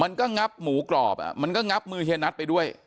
งับหมูกรอบมันก็งับมือเฮียนัทไปด้วย